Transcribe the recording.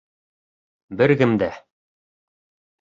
Бер кем дә